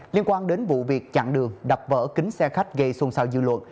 liên quan đến vụ việc chặn đường đập vỡ kính xe khách gây xuân sao dư luận